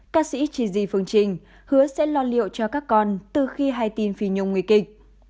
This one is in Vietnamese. ca sĩ chỉ di phương trình hứa sẽ lo liệu cho các con từ khi hay tin phi nhung nguy kịch